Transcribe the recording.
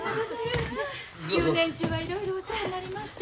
旧年中はいろいろお世話になりまして。